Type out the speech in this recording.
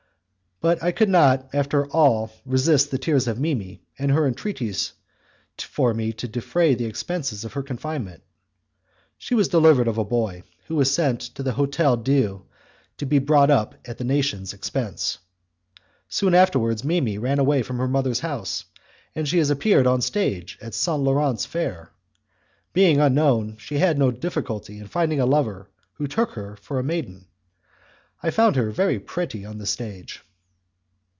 But I could not after all resist the tears of Mimi, and her entreaties for me to defray the expenses of her confinement. She was delivered of a boy, who was sent to the Hotel Dieu to be brought up at the nation's expense. Soon afterwards Mimi ran away from her mother's house, and she appeared on the stage at St. Laurent's Fair. Being unknown, she had no difficulty in finding a lover who took her for a maiden. I found her very pretty on the stage.